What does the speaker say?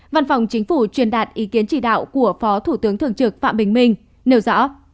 văn phòng chính phủ truyền đạt ý kiến chỉ đạo của phó thủ tướng thường trực phạm bình minh nêu rõ